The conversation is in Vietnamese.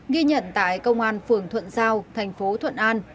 ghi nhận tại công an phường thuận giao thành phố thuận an